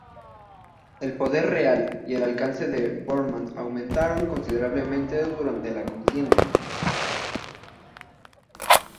El poder real y el alcance de Bormann aumentaron considerablemente durante la contienda.